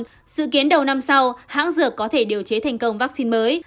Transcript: của omicron dự kiến đầu năm sau hãng dược có thể điều chế thành công vaccine mới